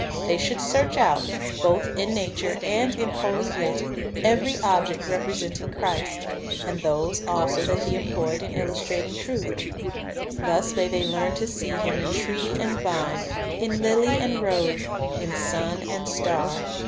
They should search out, both in nature and in Holy Writ, every object representing Christ, and those also that He employed in illustrating truth. Thus may they learn to see Him in tree and vine, in lily and rose, in sun and star.